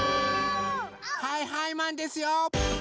はいはいマンですよ！